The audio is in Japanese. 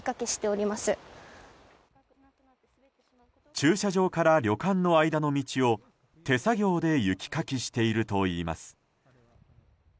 駐車場から旅館の間の道を手作業で雪かきしているといいます。